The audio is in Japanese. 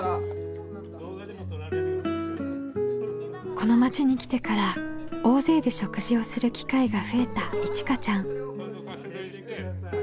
この町に来てから大勢で食事をする機会が増えたいちかちゃん。